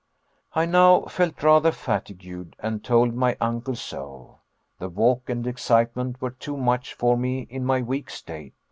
I now felt rather fatigued, and told my uncle so. The walk and excitement were too much for me in my weak state.